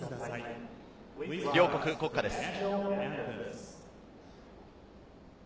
両国の国歌です。